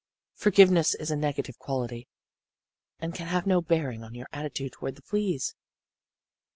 Forgiveness is a negative quality and can have no bearing on your attitude toward the fleas."